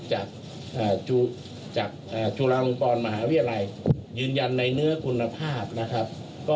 จากจุฬาลงกรมหาวิทยาลัยยืนยันในเนื้อคุณภาพนะครับ